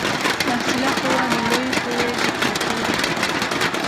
محصله قوه د لویې قوې جهت لري.